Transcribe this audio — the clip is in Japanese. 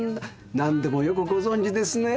なんでもよくご存じですねぇ。